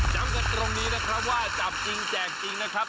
ย้ำกันตรงนี้นะครับว่าจับจริงแจกจริงนะครับ